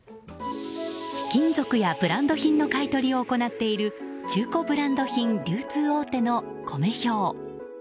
貴金属やブランド品の買い取りを行っている中古ブランド品流通大手のコメ兵。